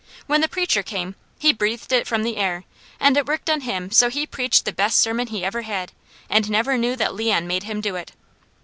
When the preacher came, he breathed it from the air, and it worked on him so he preached the best sermon he ever had, and never knew that Leon made him do it.